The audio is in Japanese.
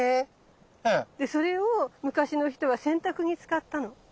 え⁉それを昔の人は洗濯に使ったの。